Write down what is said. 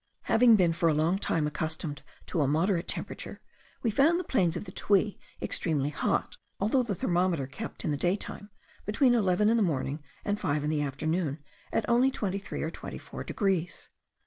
Having been for a long time accustomed to a moderate temperature, we found the plains of the Tuy extremely hot, although the thermometer kept, in the day time, between eleven in the morning and five in the afternoon, at only 23 or 24 degrees.